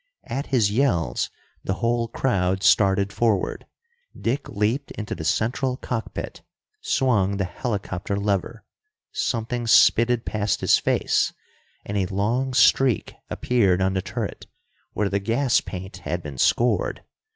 At his yells, the whole crowd started forward. Dick leaped into the central cockpit, swung the helicopter lever. Something spitted past his face, and a long streak appeared on the turret, where the gas paint had been scored.